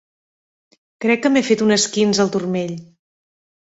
Crec que m'he fet un esquinç al turmell.